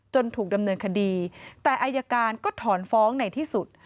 ถูกดำเนินคดีแต่อายการก็ถอนฟ้องในที่สุด